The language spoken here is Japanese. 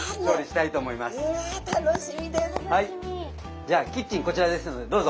じゃあキッチンこちらですのでどうぞ。